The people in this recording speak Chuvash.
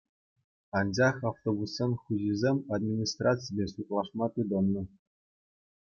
Анчах автобуссен хуҫисем администраципе судлашма тытӑннӑ.